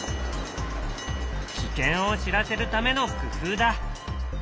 危険を知らせるための工夫だ。